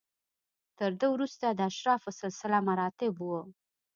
تر ده وروسته د اشرافو سلسله مراتب و